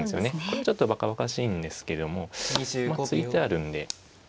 これちょっとばかばかしいんですけどもまあ突いてあるんで。